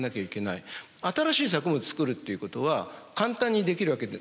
新しい作物作るということは簡単にできるわけではない。